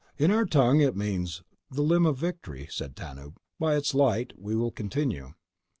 "In our tongue it means: The Limb of Victory," said Tanub. "By its light we will continue."